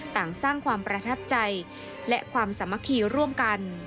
ต่างสร้างความประทับใจและความสามัคคีร่วมกัน